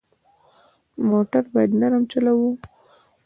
موټر باید نرم چلوه.